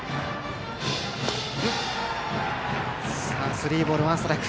スリーボールワンストライク。